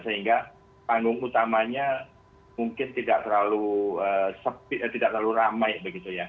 sehingga panggung utamanya mungkin tidak terlalu ramai begitu ya